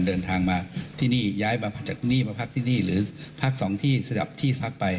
เดินทางมาที่นี่ย้ายมาจากนี่มาพักที่นี่หรือพักสองที่สนับที่พักไป